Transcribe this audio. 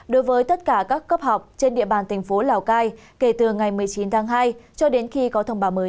đối với tất cả các cấp học trên địa bàn thành phố lào cai kể từ ngày một mươi chín tháng hai cho đến khi có thông báo mới